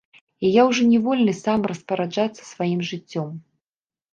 І я ўжо не вольны сам распараджацца сваім жыццём.